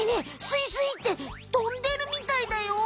スイスイってとんでるみたいだよ！